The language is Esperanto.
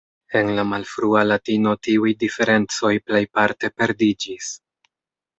En la malfrua latino tiuj diferencoj plejparte perdiĝis.